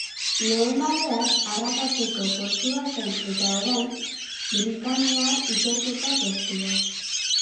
Lehen baleak harrapatzeko postua zen eta orain britaniar ikerketa postua.